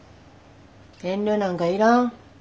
遠慮なんかいらん。